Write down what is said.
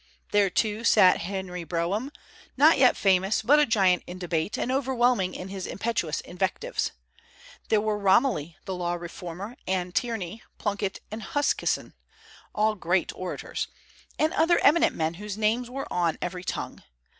There, too, sat Henry Brougham, not yet famous, but a giant in debate, and overwhelming in his impetuous invectives. There were Romilly, the law reformer, and Tierney, Plunkett, and Huskisson (all great orators), and other eminent men whose names were on every tongue.